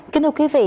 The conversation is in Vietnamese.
kính thưa quý vị